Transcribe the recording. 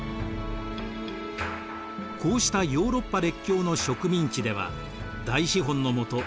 こうしたヨーロッパ列強の植民地では大資本のもと